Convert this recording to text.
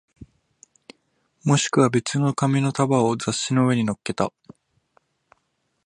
もしくは別の紙の束を雑誌の上に乗っけた